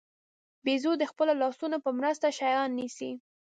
بیزو د خپلو لاسونو په مرسته شیان نیسي.